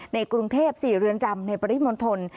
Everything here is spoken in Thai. ในกรุงเทพ๔เรือนจำในปริมณฑล